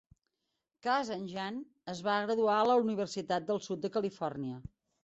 Kazanjian es va graduar a la universitat del Sud de Califòrnia.